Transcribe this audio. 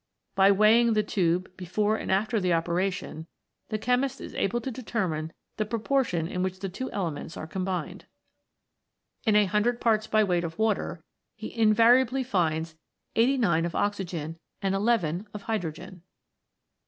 By weighing the tube before and after the opera tion, the chemist is able to determine the proportion in which the two elements are combined. In a hundred parts by weight of water he in variably finds eighty nine of oxygen and eleven of hydrogen.